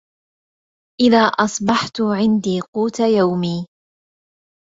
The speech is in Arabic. إذا أصبحت عندي قوت يومي